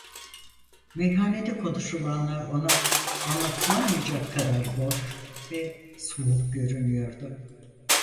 Meyhanede konuşulanlar ona anlatılamayacak kadar boş ve soğuk görünüyordu.